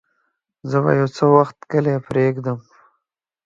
زه به يو څه وخت کلی پرېږدم.